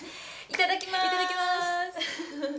いただきます。